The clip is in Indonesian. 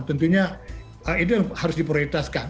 tentunya itu harus diprioritaskan